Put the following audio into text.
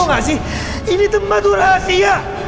tau gak sih ini tempat tuh rahasia